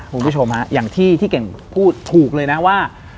คุณผู้ชมฮะอย่างที่เก่งพูดถูกเลยนะว่า